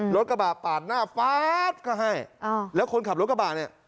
รถกระบะปาดหน้าฟาดเข้าให้แล้วคนขับรถกระบะเนี่ย